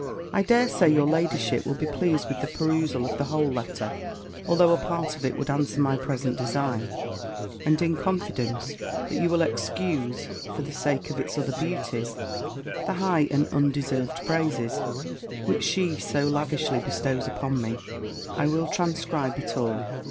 I dare say your ladyship will be pleased with the perusal of the whole letter, although a part of it would answer my present design; and in confidence, that you will excuse, for the sake of its other beauties, the high and undeserved praises which she so lavishly bestows upon me, I will transcribe it all.